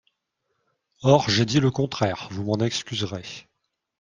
Or j’ai dit le contraire, vous m’en excuserez.